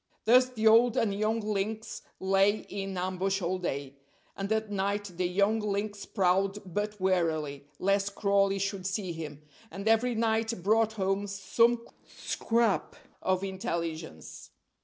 Thus the old and young lynx lay in ambush all day. And at night the young lynx prowled, but warily, lest Crawley should see him; and every night brought home some scrap of intelligence.